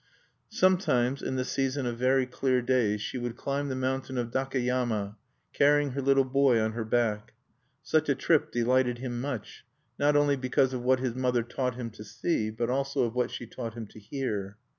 Sometimes, in the season of very clear days, she would climb the mountain of Dakeyama, carrying her little boy on her back. Such a trip delighted him much, not only because of what his mother taught him to see, but also of what she taught him to hear.